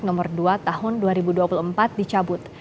dpr meminta permendikbud ristek no dua tahun dua ribu dua puluh empat dicabut